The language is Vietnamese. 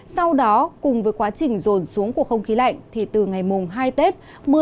sau đó cùng với quá trình rồn xuống của không khí lạnh thì từ ngày mùng hai tết